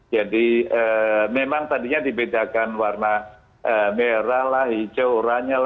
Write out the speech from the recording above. jadi memang tadinya dibedakan warna merah hijau oranye